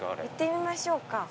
行ってみましょうか。